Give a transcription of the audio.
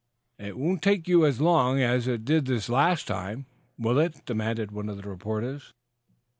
"It won't take you as long as it did this last time, will it?" demanded one of the reporters.